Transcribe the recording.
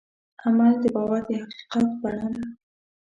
عمل د باور د حقیقت بڼه ده.